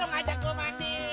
lo ngajak gue mandi